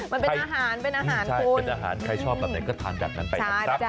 มันเป็นอาหารคุณใช่เป็นอาหารใครชอบอะไรก็ทานจากนั้นไปนะใช่จ้ะ